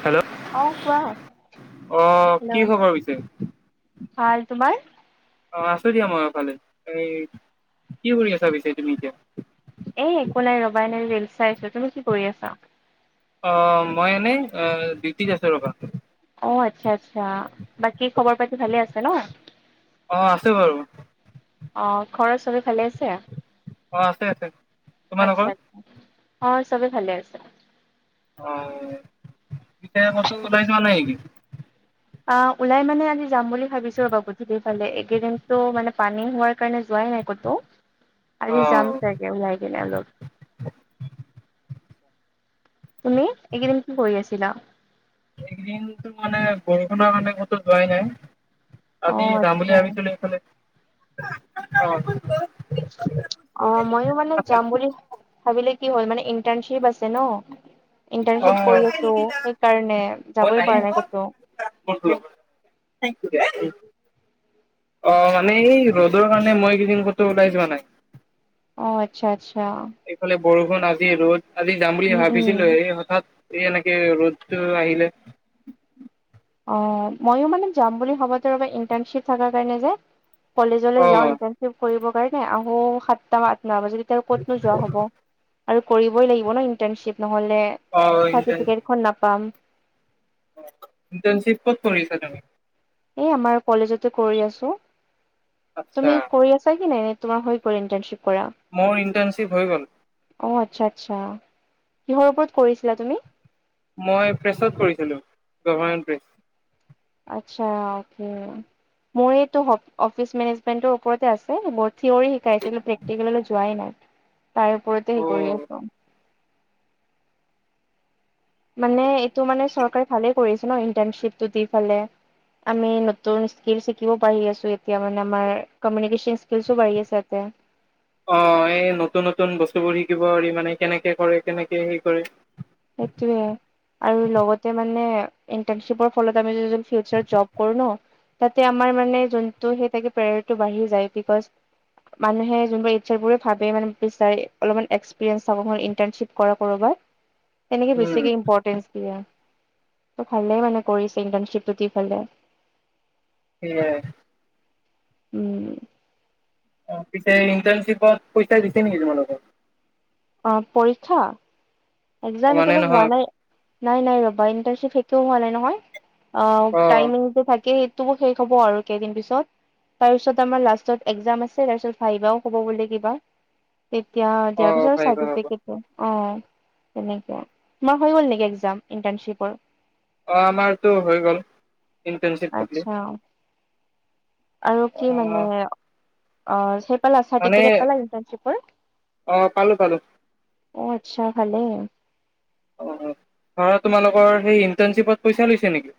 Hello, অ কোৱা আহ কি হেল্ল' খবৰ পিছে। ভাল তোমাৰ অ আছো দিয়া মইভালে এই কি কৰি আছা পিছে তুমি এতিয়া। এ একো নাই ৰবাই নাই ৰিল চাইছো তুমি কি কৰি আছা। অ মই এনেই ডিউটিত আছো ৰবা। অ আচ্ছা আচ্ছা বাকী খবৰ পাতি ভালে আছে ন, অ আছো বাৰু অ ঘৰৰ চবেই ভালে আছে। অ আছে আছে আচ্ছা তোমালোকৰ। আচ্ছা, অ চবে ভালে আছে। অ এতিয়া কতো ওলাই যোৱা নাই নেকি। অ ওলাই মানে আজি যাম বুলি ভাবিছো ৰবা গধুলিইফালে একেইদিনতো মানে পানী হোৱাৰ, সোৱাৰ কাৰণে যোৱাই নাই ক'তো আজি যাম অ' চাগে ওলাই কিনে অলপ, তুমি এইকেইদিন কি কৰি আছিলা। এইদিনতো মানে বৰষুণৰ কাৰানে কতো যোৱাই নাই। অ আজি যাম বুলি আচ্ছা ভাবিছিলো এইফালে অ, অ ময়ো মানে যাম বুলি, ভাবিলে কি হ'ল মানে ইণ্টাৰ্ণশ্বিপ আছে ন। অ' ইণ্টাৰ্ণশ্বিপ কৰি আছো সেইকাৰণে মই যাবই পৰা নাই কতো। [unintelligible] অ মানে এই ৰ'দৰ কাৰণে মই কেইদিন কতো ওলাই যোৱা নাই অ আচ্ছা আচ্ছা অ এইফালে বৰষুণ আজি ৰ'দ আজি যাম বুলি উম উম ভাবিছিলো এই হঠাৎ এই এনেকে ৰ'দ টো আহিলে অ' মইয়ো মানে যাম বুলি ভবাতে ল'বা ইণ্টাৰ্ণশ্বিপ থকাৰ কাৰণে যে অ কলেজলৈ যাওঁ সেইকাৰণে শ্বিপ কৰিবৰ কাৰণে আহো সাতটা আঠ ন বজাত তেতিয়া ক'তনো যোৱা হ'ব। আৰু কৰিবই লাগিব ন ইণ্টাৰ্ণশ্বিপ নহ'লে অ চাৰ্টিফিকেটখন নাপাম। অ ইণ্টাৰ্ণশ্বিপ ক'ত কৰিছা তুমি? এ, আমাৰ কলেজতে কৰি আছো। আচ্ছা তুমি কৰি আছা কি নাই নাই? তোমাৰ হৈ কৰি ইণ্টাৰ্ণশ্বিপ কৰা। মোৰ ইণ্টাৰ্ণশ্বিপ হৈ গ'ল। অ' আচ্ছা আচ্ছা কিহৰ ওপৰত কৰিছিলা তুমি? মই প্ৰেছত কৰিছিলোঁ। Government press. আচ্ছা অ কে মোৰ এইটো অফ অফিচ মেনেজমেন্টৰ ওপৰতে আছে বত- থিয়ৰী শিকাইছিলো প্ৰেক্টিকেললৈ যোৱাই নাই তাই ওপৰতে অ হেৰি কৰি আছোঁ। মানে এইটো মানে চৰকাৰে ভালে কৰিছে ন ইণ্টাৰ্ণশ্বিপটো দি পালে। আমি নতুন স্কিল শিকিব পাঢ়ি আছো এতিয়া, মানে আমাৰ কমিউনিকেশ্যন স্কিলছো বাঢ়ি আছে ইয়াতে। অ' এই নতুন নতুন বস্তুবোৰ শিকিব পাৰি মানে কেনেকে কৰে কেনেকে হেৰি কৰে সেইটোৱে। আৰু লগতে মানে ইণ্টাৰ্নশ্বিপৰ ফলত আমি যদি ফিউচাৰত জব কৰো ন, তাতে আমাৰ মানে যোনটো সেই তাকে প্ৰেয়াৰটো বাঢ়ি যায়। বিকজ, মানুহে যোনবোৰ ইচ্ছা বোৰে ভাবে মানে বিচাৰে অলপমান এক্সপিৰিয়েঞ্চ হ'ব মোৰ ইণ্টাৰ্ণশ্বিপ কৰো কৰ'বাত। তেনেকে উম বেছিকে ইম্পৰ্টেন্ট দিয়ে। ত' ভালে মানে কৰিছে ইণ্টাৰ্ণশ্বিপটো দি পেলাই। সেইয়াই। উম' ত পিছে ইণ্টাৰ্ণশ্বিপত পৰীক্ষা দিছে নেকি, তোমালোকক? অ পৰীক্ষা। একজাম মানে এতিয়ালৈকে হোৱা নহয় নাই। নাই নাই ৰবা ইণ্টাৰ্ণশ্বিপ শেষেই হোৱা নাই নহয়। অ টাইমিং টো থাকেই সেইটো শেষ হ'ব আৰু কেইদিন পিছত। তাৰপিছত আমাৰ লাষ্টত একজাম আছে তাৰপিছত ভাইবাও হ'ব বুলে কিবা। তেতিয়া অ দিয়াৰ পিছত ভাবিব হ'ব। চাৰ্টিফিকেটো অ তেনেকুৱা, তোমাৰ হৈ গ'ল নেকি একজাম ইন্টাৰ্ণশ্বিপৰ। অ' আমাৰতো হৈ গ'ল ইণ্টাৰ্ণশ্বিপ বুলি আচ্ছা আৰু অ কি মানে অ' সেই পালা মানে চাৰ্টিফিকেট পালা ইণ্টাৰ্ণশ্বিপৰ। অ পালো পালো অ' আচ্ছা ভালে। অ' ধৰা তোমালোকৰ সেই ইণ্টাৰ্ণশ্বিপত পইচা লৈছে নেকি?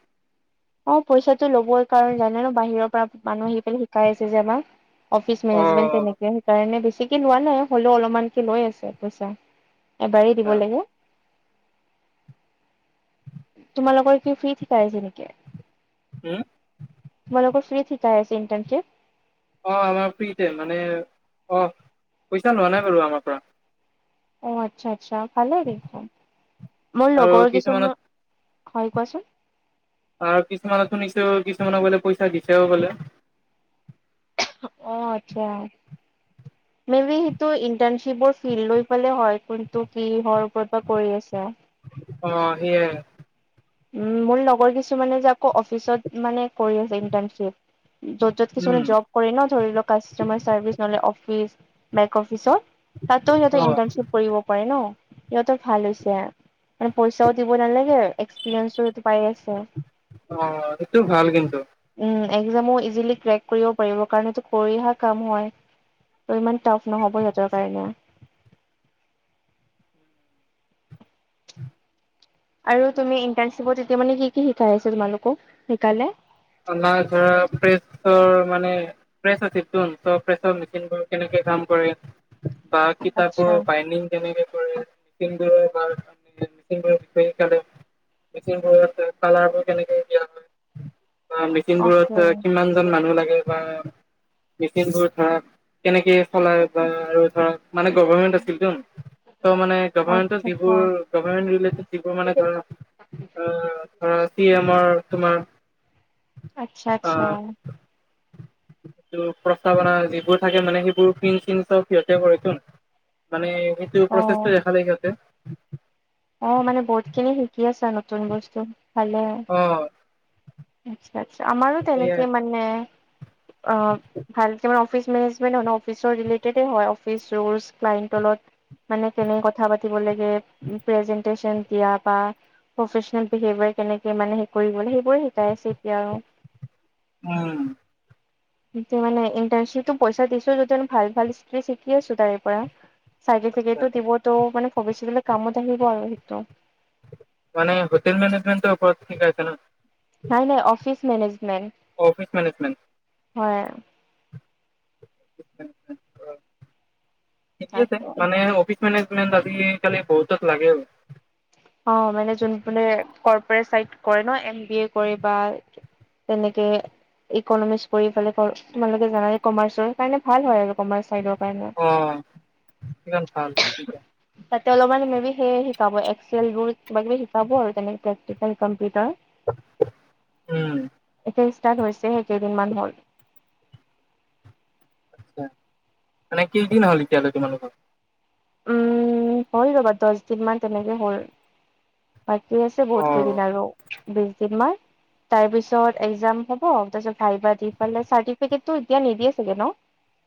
অ' পইচাটো লবই কাৰণ জানাই ন বাহিৰৰ পৰা মানুহ আহি পেলাই শিকাই আছে যে আমাক। অফিচ অ মেনেজমেণ্ট তেনেকে আচ্ছা সেইকাৰণে বেছিকে লোৱা নাই। হ'লেও অলপমানকে লৈ আছে পইছা। এবাৰেই দিব লাগে। তোমালোকৰ কি ফ্ৰীত শিকাই আছে নেকি? হুউ তোমালোকৰ ফ্ৰীত শিকাই আছে ইন্টাৰ্ণশ্বিপ অ' আমাৰ ফ্ৰীতে মানে অ পইচা লোৱা নাই বাৰু আমাৰ পৰা। অ আত্চ্ছা আত্চ্ছা ভালেই দে মোৰ আৰু লগৰ কিছুমানত কিছুমান, হয় কোৱাচোন? আৰু কিছুমানত টো নিশ্চয় ত্ৰিছটামানক বোলে পইচা দিছেও বোলে। অ আত্চ্ছা। [inaudible] মে বি সেইটো ইন্টাৰ্ণশ্বিপ ফিল লৈ পেলাই হয় কিন্তু কিহৰ ওপৰত বা কৰি আছে। অ সেইয়াই। উ মোৰ লগৰ কিছুমানে যে আকৌ অফিচত মানে কৰি আছে ইণ্টাৰ্ণশ্বিপ য'ত য'ত উম কিছুমানে জব। কৰে ন, ধৰি ল কাষ্টমাৰ চাৰ্ভিচ নলে অফিচ বেংক অফিচত তাতো অ সিহঁতে ইন্টাৰ্ণশ্বিপ কৰিব পাৰে ন? সিহঁতৰ ভাল হৈছে মানে পইচাও দিব নালাগে, এক্সপিৰিয়েঞ্চো সেটো অ সেটো ভাল কিন্তু। উম, একজামো ইজিলি ক্ৰেক কৰিব পাৰিব, কাৰণ এইটো কৰি অহা কাম হয়। ত ইমান টাফ নহ'ব সিহঁতৰ কাৰণেও। আৰু তুমি ইণ্টাৰ্ণশ্বিপত এতিয়া মানে কি কি শিকাই আছ, তোমালোকক কি কি শিকালে? আমাৰ ধৰা ফ্ৰেছৰ মানে প্ৰেছ আছিল তন ত প্ৰেছৰ মেচিনবোৰ কেনেকে কাম কৰে বা কিতাপৰ আচ্ছা, বাইডিং কেনেকে কৰে, মেচিনবোৰৰ বাৰ [unintelligible] মেচিনবোৰৰ বিষয়ে শিকালে। মেচিনবোৰত কালাৰবোৰ কেনেকে দিয়া হয়। বা অকে, মেচিনবোৰত কিমান জন মানুহ লাগে। বা মেচিনবোৰ ধৰা কেনেকে চলাই বা আৰু ধৰা। মানে গভৰ্ণমেন্ট আছিল তোন মানে গভৰ্মমেন্টৰ আচ্ছা যিবোৰ আচ্ছা। গভৰ্ণমেণ্ট ৰিলেটেড টিবোৰ মানে ধৰা আ ধৰা চি এ মৰ তোমাৰ আচ্ছা আ। আচ্ছা। টো প্ৰস্তাৱনা যিবোৰ থাকে মানে সেইবোৰ প্ৰিণ্ট ছিণ্ট চব সিহঁতে কৰে তোন। মানে এইটো অ', প্ৰচেছটো দেখালে সিহঁতে। অ মানে বহুত খিনি শিকি আছা, নতুন বস্তু ভালে। অ আত্চ্ছা আত্চ্ছা আমাৰো সেয়াই তেনেকে মানে অ ভালকে মানে অ- ফিচ মেনেজমেণ্টন অফিচৰ ৰিলেটেডেই হয়, অফিচ ৰুলছ, ক্লায়েণ্টৰ লগত মানে কেনে কথা পাতিব লাগে, প্ৰেজেণ্টেচন দিয়া বা প্ৰফেচনেল বিহেভিয়াৰ কেনেকে মানে কৰিব, সেইবোৰে শিকাই আছে এতিয়া আৰু। উম। সেটো মানে ইণ্টাৰ্ণশ্বিপটো পইচা দিছোঁ যদি ভাল ভাল স্কিলছ শিকি আছো তাৰে পৰা। আচ্ছা চাৰ্টিফিকেটো দিব ত মানে ভৱিষ্যতলে কামত আহিব আৰু সেইটো। মানে হোটেল মেনেজমেণ্টৰ ওপৰত শিকাইছে ন? নাই নাই অফিচ মেনেজমেণ্ট। Office management. হয়। [unintelligible] ঠিকে আছে তাকে। মানে অফিচ মেনেজমেণ্ট আজি কালি বহুতত লাগেও। অ মানে যোন মানে কৰ্পৰেট চাইড কৰে ন এম বি এ কৰে বা তেনেকে ইকনমিক্স পঢ়ি পেলাই কৰ তোমালোকে জানা কমাৰ্চৰ কাৰণে ভাল হয় আৰু কমাৰ্চ চাইডত। অ কিমান ভাল সেইটা। তাতে অলপমান মে বি সেয়ে শিকাব এক্স- চেল ৰুল কিবা-কিবি শিকাব আৰু তেনেকে প্ৰেক্টিকেল, কম্পিউটাৰ। উম। এতিয়া ষ্টাৰ্ট হৈছেহে কেইদিনমান হ'ল। মানে, কেইদিন হ'ল এতিয়ালৈ তোমালোকৰ? উম, হ'ল ৰ'বা দহ দিন মান তেনেকে হ'ল। বাকী আছে অ বহুত কেইদিন আৰু বিশ দিন মান। তাৰ পিছত এক্জাম হব, তাৰপিছত ভাইবা দি পিনে চাৰ্টিফিকেটটো এতিয়া নিদিয়ে চাগে ন? [unintelligible]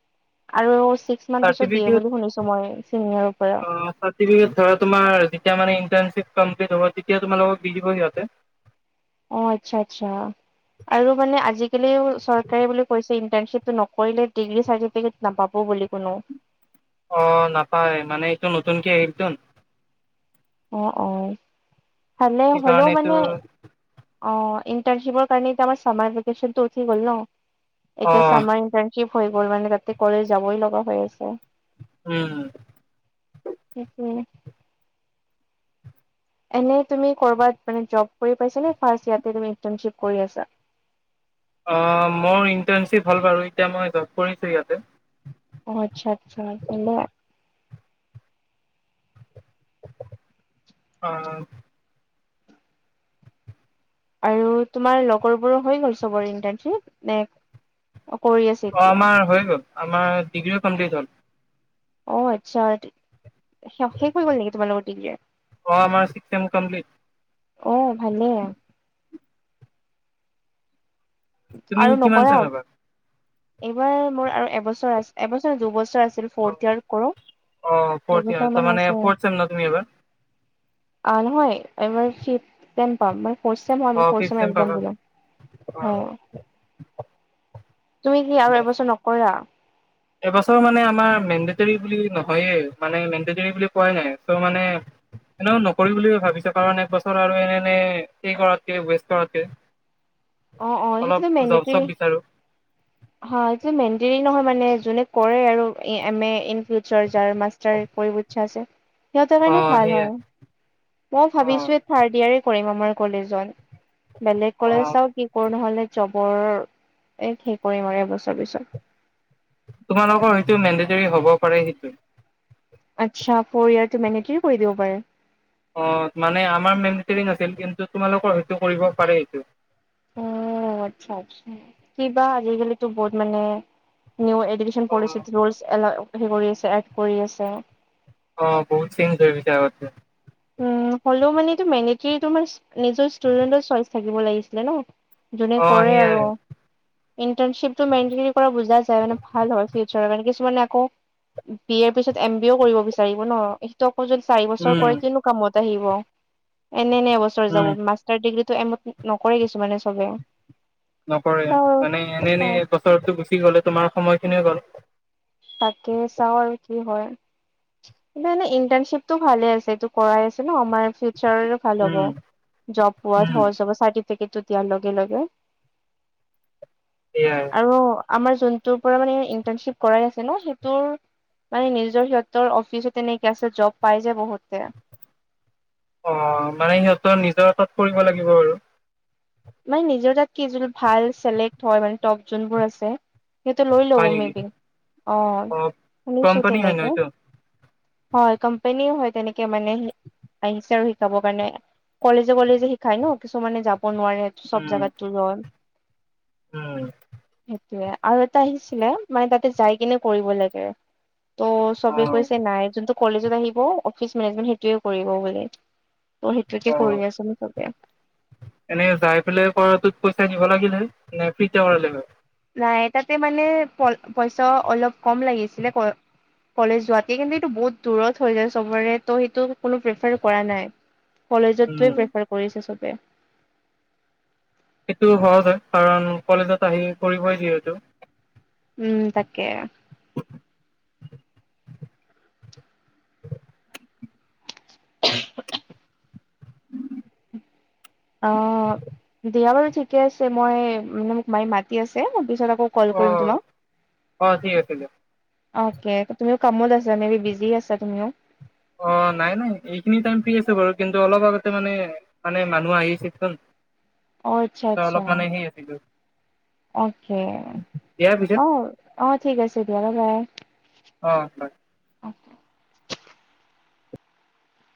আৰু ছিক্স মান্থ পিছত দিয়ে চাৰ্টিফিকেট বুলি শুনিছোঁ মই চিনিয়ৰৰ পৰা। আ চাৰ্টিফিকেট ধৰা, তোমাৰ যেতিয়া ইণ্টাৰ্ণশিপ কমপ্লিট হ'ব, তেতিয়া তোমালোকক দি দিব সিহঁতে। অ', আচ্ছা, আচ্ছা আৰু মানে আজিকালি চৰকাৰে বুলি কৈছে, ইণ্টাৰ্নশিপটো নকৰিলে ডিগ্ৰী চাৰ্টিফিকেট নাপাব বোলে কোনো। অ', নাপায় মানে এইটো নতুনকে আহিলটো। অ', অ', ভালে হ'লেও সেইকাৰণে এইটো মানে অ', ইণ্টাৰনশ্বিপৰ কাৰণে এতিয়া আমাৰ চা মাৰ ভেকেচনটো উঠি গল ন! এতিয়া অ', চামাৰ ইণ্টাৰ্ণ কি হৈ গ'ল মানে তাতে কলেজ যাবই লগা হৈ আছে উম উ এনেই তুমি ক'ৰবাত মানে জব কৰি পাইছা নে ফাৰ্ষ ই ত ইণ্টানশ্বিপ কৰি আছা অ মোৰ ইণ্টাৰ্ণশ্বিপ হল বাৰু এতিয়া মই জব কৰিছোঁ ইয়াতে অ আচ্ছা আচ্ছাে অ আৰু তোমাৰ লগৰবোৰো হৈ গ'ল চবৰ ইণ্টাৰ্নশ্বিপ নে্ অ আমাৰ হৈ গল আমাৰ ডিগ্ৰীও কমপ্লিট হ'ল অ আচ্ছা শেষ কৰি গ'ল নেকি তোমালোকৰ দিনৰে অ আমাৰ ছিক ছেএম কম্প্লিট অ ভালে তুমি আৰু কিমান নকৰা চেম এইবাৰ? এইবাৰ মোৰ আৰু এবছৰ আছে এবছৰ দুবছৰ আছিল অ', ফৰ্থ ইয়াৰ কৰো অ' ফ'ৰ্থ ইয়াৰ দুবছৰ মান তাৰমানে আছে ফ'ৰ্থ চেম ন তুমি এইবাৰ? অ নহয় এইবাৰ [unintelligible] পাম মই ফ'ৰ্চেম হয় আমি অ', ফিফ ফ'ৰ্চে ম চেম এক্সাম পাবা দিলোঁ হয় অ', তুমি কি আৰু এবছৰ নকৰা এবছৰ মানে আমাৰ মেনডেটৰী বুলি নহয়ে মানে মেনডেৰী বুলি কোৱা নাই চ' মানে এনেকও নকৰিম বুলি ভাবিছো কাৰণ একবছৰ আৰু এনে এনে সি কৰাকে ৱেষ্ট কৰাকে [unintelligible] অ অ সেইটোতো মেনডিটি এই মেণ্টেলি নহয় মানে যোনে কৰে আৰু এম এ ইনি যাৰ মাষ্টাৰ কৰিব ইচ্ছা আছে সিহঁতৰ অ কাৰণে ভাল সেইয়াই হয় মই অ ভাবিছো থাৰ্ড ইয়াৰে কৰিম আমাৰ কলেজত বেলেগ অ কলে চাও কি কৰো নহলে জবৰ এ হে কৰিম আৰু এবছৰ পিছত তোমালোকৰ সেইটো মেনডেটৰী হব পাৰে সেইটো আচ্ছা ফ'ৰ ইয়াৰ তটো মেনে কি কৰি দিব পাৰে অ মানে আমাৰ মেনডেটেৰি আছিল কিন্তু তোমালোকৰ হয়তো কৰিব পাৰে সিটো উ আচছা আচছা কিবা আজিকালিটো বহুত মানে নি [unintelligible] এ অ [unintelligible] কৰি আছে অ', বহুত চিন [unintelligible] হৈছে। উ, হ'লেও মানে এইটো মেনেটেৰী তোমাৰ নিজৰ ষ্টুডেণ্টৰ চইচ থাকিব লাগিছিলে ন। জোনে অ কৰে সেইয়াই আৰু। ইণ্টাৰ্নশিপটো [unintelligible] পৰা বুজা যায়, মানে ভাল হয় ফিউচাৰৰ কাৰণে, কিছুমানে আকৌ বি এৰ পিছত এম বি এও কৰিব বিচাৰিব ন! আকৌ যদি চাৰি বছৰ উম কৰে কিনো কামত আহিব। এনে এন এবছৰ উম যাব। মা তাৰ ডিগ্ৰীটো এমত নকৰে কিছু মানে চবে। নকৰে, চাও মানে এনে এনে অ বছৰতটো গুচি গ'লে তোমাৰ সময়খিনিয়ো গ'ল। তাকে চাওঁ আৰু কি হয়। নে নে ইণ্টাৰ্নশ্বিপটো ভালে আছে, এইটো কৰাই আছে ন আমাৰ। ফিউচাৰৰো ভাল উম হ'ব। জব পোৱাত উম সহজ হব, চাৰ্টিফিকেটটো দিয়াৰ লগে লগে। সেয়াই। আৰু আমাৰ জোনটোৰ পৰা মানে ইণ্টাৰ্ণশ্বিপ কৰাই আছে ন, সেইটোৰ মানে নিজৰ সিহঁতৰ অফিচত তেনেকে আছে জব পাই যে বহুতে। অ', মানে সিহঁতৰ নিজৰ তাত কৰিব লাগিব আৰু। মানে নিজৰ তাত কি জোন ভাল চেলেক্ট হয় মানে টপ জোনবোৰ আছে। সিহঁতে লৈ লব হয় মে নেকি বি। অ', অ শুনিছো কোম্পানী হয় ন তেনেকোৱা। এইটো হয়, কম্পেনীও হয় তেনেকে, মানে আহিছে আৰু শিকাবৰ কাৰণে। কলেজে কলেজে শিকায় ন, কিছুমানে যাব নোৱাৰে চব জাগাত লয়। উ। সেয়া। আৰু এটা আহিছিলে, মানে তাতে যাই কেনে কৰিব লাগে। ত' অ চবে কৈছে নাই, যোনটো কলেজত আহিব অফিচ মেনেজমেন্ট সেইটোৱে কৰিব বোলে। ত' সেইটোকে অ কৰি আছো মুঠতে। এনে যাই পেলাই কৰাটোত পইচা দিব লাগিলে নে ফ্ৰীতে কৰালে লয়? নাই, তাতে মানে প পইচাও অলপ কম লাগিছিলে। ক কলেজ যোৱাতকে, কিন্তু এইটো বহুত দূৰত হৈ যায় চবৰে ত' সেইটো কোনো প্ৰেফাৰ কৰা নাই, কলেজৰতোৱে উম প্ৰেফাৰ কৰিছে চবে। সেইটো সহজ হয় কাৰণ কলেজত আহি কৰিবই যিহেতু। উম তাকে। [inaudible] অ', দিয়া বাৰু ঠিকে আছে, মই মানে মোক মাই মাতি আছে। মই পিছত আকৌ কল অ কৰিম তোমাক। অ ঠিক আছে দিয়ক অকে, তুমিও কামত আছা, মে বি বিজী আছা তুমিও। অ', নাই নাই এইখিনি টাইম ফ্ৰী আছো বাৰু কিন্তু অলপ আগতে মানে মানে মানুহ আহিছেছোন, অ' আচ্ছা ত' আচ্ছা অলপ মানে সেই আছিলো অকে, অ', অ'ঠিক আছে দিয়া, বা বাই। অ', হয়।